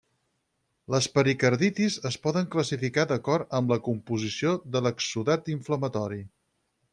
Les pericarditis es poden classificar d'acord amb la composició de l'exsudat inflamatori.